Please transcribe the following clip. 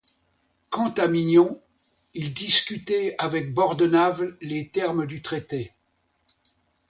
Quant à Mignon, il discutait avec Bordenave les termes du traité.